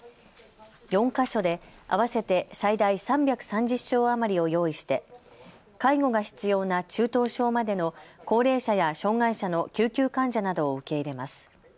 ４か所で合わせて最大３３０床余りを用意して介護が必要な中等症までの高齢者や障害者の救急患者などを受け入れます。